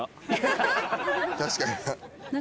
確かにな。